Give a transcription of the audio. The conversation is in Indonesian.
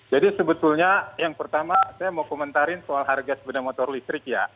jadi sebetulnya yang pertama saya mau komentarin soal harga sebenarnya motor listrik ya